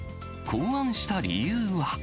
考案した理由は。